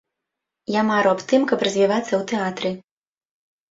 Я мару аб тым, каб развівацца ў тэатры.